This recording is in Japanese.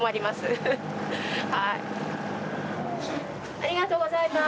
ありがとうございます。